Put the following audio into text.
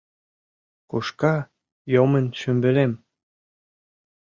Кушка йомын шӱмбелем?